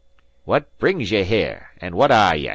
"What brings ye here? and whae are ye?"